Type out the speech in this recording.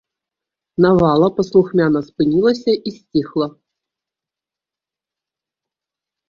Навала паслухмяна спынілася і сціхла.